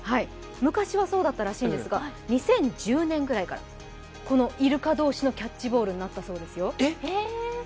昔はそうだったらしいんですが、２０１０年くらいからこのいるか同士のキャッチボールになったそうですよ。